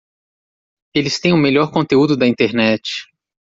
Eles têm o melhor conteúdo da internet!